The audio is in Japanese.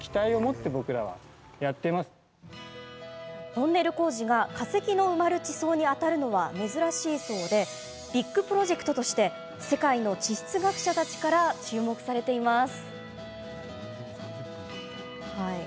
トンネル工事が化石の埋まる地層に当たるのは珍しいそうでビッグプロジェクトとして世界の地質学者たちから注目されています。